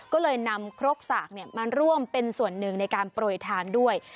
ก็เลยนำครกสากมาร่วมเป็นส่วนหนึ่งในการโปรยทานด้วย